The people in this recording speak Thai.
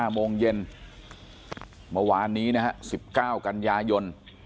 โมงเย็นเมื่อวานนี้นะฮะ๑๙กันยายน